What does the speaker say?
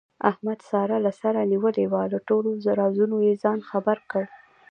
احمد ساره له سره نیولې وه، له ټولو رازونو یې ځان خبر کړ.